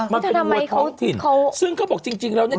มันเป็นวัวท้องถิ่นซึ่งเขาบอกจริงแล้วเนี่ย